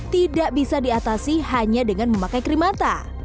tidak bisa diatasi hanya dengan memakai krim mata